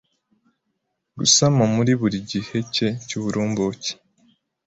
gusama muri buri gihe cye cy’uburumbuke